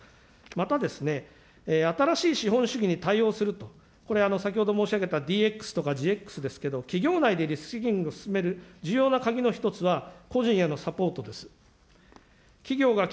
また、新しい資本主義に対応すると、これ、先ほど申し上げたＤＸとかＧＸですけれども、企業内でリスキリングを進める重要な鍵の１つは個人へのサポートです。